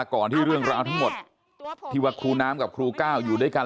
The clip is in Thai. ก่อนที่เรื่องราวทั้งหมดที่ว่าครูน้ำกับครูก้าวอยู่ด้วยกัน